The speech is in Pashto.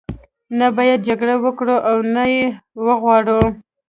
نه باید جګړه وکړو او نه یې وغواړو.